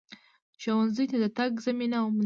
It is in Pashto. ښونځیو ته د تگ زمینه وموندله